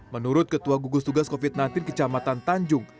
menurut ketua gugus tugas covid sembilan belas kecamatan tanjung